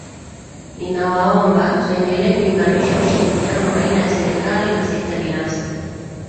Ninawaomba tuendelee kuimarisha ushirikiano baina ya serikali na sekta binafsi